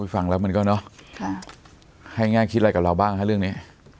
ฟังแล้วมันก็เนอะให้แง่คิดอะไรกับเราบ้างฮะเรื่องนี้